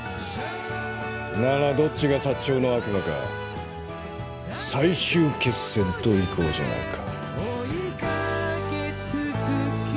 ならどっちがサッチョウの悪魔か最終決戦といこうじゃないか。